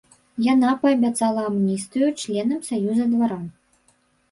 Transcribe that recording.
Яна паабяцала амністыю членам саюза дваран.